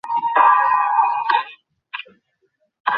পালানোর চেষ্টা করলে, তোমার বাবা মাকে ডাকবো!